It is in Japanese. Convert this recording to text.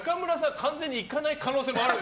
完全に行かない可能性もあるよ。